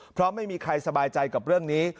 เพราะไม่มีใครสบายใจกับเรื่องนี้